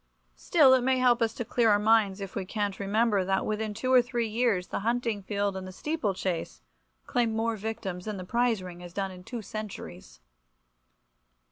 Still, it may help us to clear our minds of cant if we remember that within two or three years the hunting field and the steeple chase claim more victims than the prize ring has done in two centuries.